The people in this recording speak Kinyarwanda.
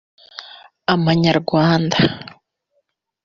Amanyarwanda